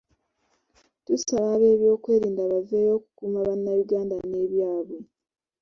Tusaba abeebyokwerinda bafeeyo okukuuma Bannayuganda ne byabwe .